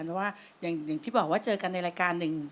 เพราะว่าอย่างที่บอกว่าเจอกันในรายการหนึ่ง